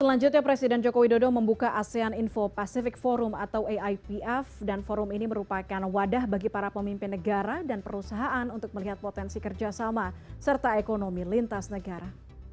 selanjutnya presiden joko widodo membuka asean info pacific forum atau aipf dan forum ini merupakan wadah bagi para pemimpin negara dan perusahaan untuk melihat potensi kerjasama serta ekonomi lintas negara